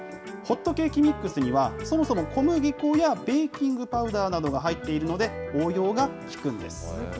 ホットケーキミックスには、そもそも小麦粉やベーキングパウダーなどが入っているので、応用がきくんです。